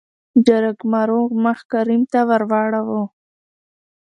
جرګمارو مخ کريم ته ورواړو .